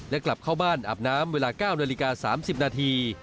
และกลับเข้าบ้านอาบน้ำเวลา๙นาฬิกา๓๐นาที